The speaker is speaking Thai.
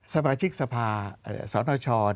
สมาชิกสภาสนช